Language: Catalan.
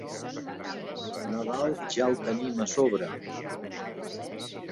El Nadal ja el tenim a sobre.